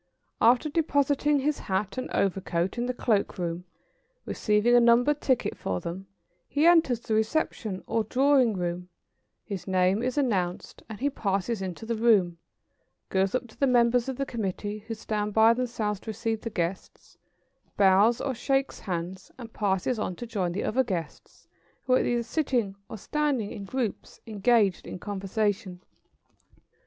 ] After depositing his hat and overcoat in the cloak room, receiving a numbered ticket for them, he enters the reception or drawing room, his name is announced, and he passes into the room, goes up to the members of the committee, who stand by themselves to receive the guests, bows or shakes hands, and passes on to join the other guests who are either sitting or standing in groups engaged in conversation. [Sidenote: When dinner is announced.